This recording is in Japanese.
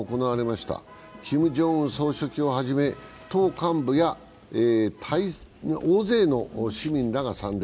総書記をはじめ党幹部や大勢の市民らが参列。